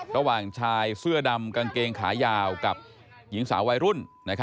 ระหว่างชายเสื้อดำกางเกงขายาวกับหญิงสาววัยรุ่น